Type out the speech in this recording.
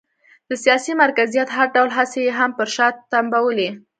د سیاسي مرکزیت هر ډول هڅې یې هم پر شا تمبولې.